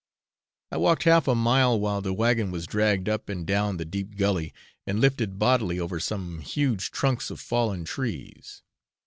I walked half a mile while the wagon was dragged up and down the deep gulley, and lifted bodily over some huge trunks of fallen trees.